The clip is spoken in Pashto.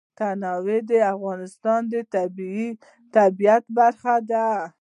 تنوع د افغانستان د طبیعت برخه ده.